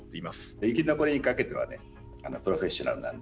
生き残りにかけてはねプロフェッショナルなんで。